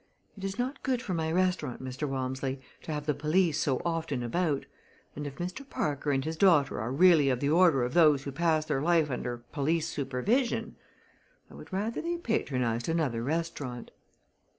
It is not good for my restaurant, Mr. Walmsley, to have the police so often about, and if Mr. Parker and his daughter are really of the order of those who pass their life under police supervision, I would rather they patronized another restaurant."